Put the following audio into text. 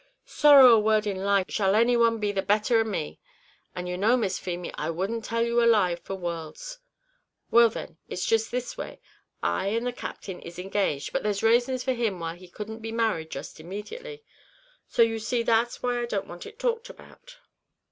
Sorrow a word in life shall any one be the better av me, and you know, Miss Feemy, I wouldn't tell you a lie for worlds." "Well, then, it's jist this way I and the Captain is engaged, but there's rasons for him why we couldn't be married just immediately; so you see that's why I don't want it talked about."